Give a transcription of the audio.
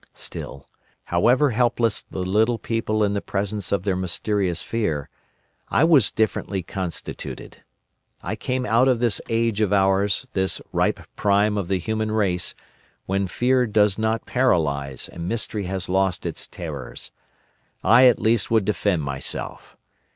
"Still, however helpless the little people in the presence of their mysterious Fear, I was differently constituted. I came out of this age of ours, this ripe prime of the human race, when Fear does not paralyse and mystery has lost its terrors. I at least would defend myself.